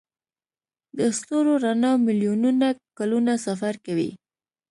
د ستورو رڼا میلیونونه کلونه سفر کوي.